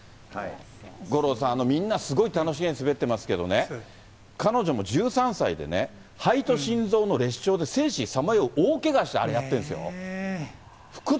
五郎さん、みんなすごい楽しげに滑ってますけどね、彼女も１３歳でね、肺と心臓の裂傷で生死をさまよう大けがして、あれやってんですよ。